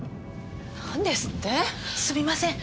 なんですって！？すみません。